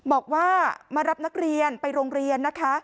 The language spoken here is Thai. บอกว่ามารับนักเรียนไปโรงเรียนนะคะ